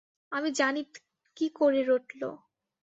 আমি জানি ৎ কী করে রটল।